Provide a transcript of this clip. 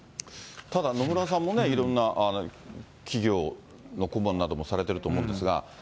ただ野村さんもね、いろんな企業の顧問などもされてると思うんですが、